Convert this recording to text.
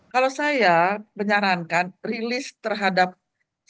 kalau saya menyarankan rilis terhadap statistik ini